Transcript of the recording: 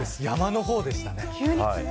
山の方でしたね。